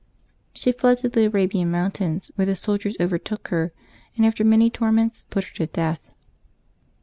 She fled to the Arabian mountains, where the soldiers overtook her, and after many torments put her to death.